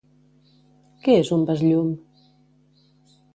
Què és un besllum?